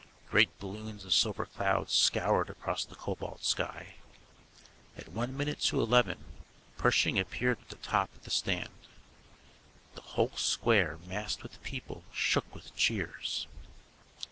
Great balloons of silver clouds scoured across the cobalt sky. At one minute to 11 Pershing appeared at the top of the stand. The whole square, massed with people, shook with cheers.